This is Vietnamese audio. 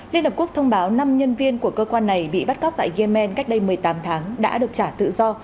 liên hợp quốc thông báo năm nhân viên của cơ quan này bị bắt cóc tại yemen cách đây một mươi tám tháng đã được trả tự do